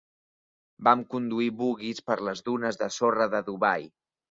Vam conduir buguis per les dunes de sorra de Dubai.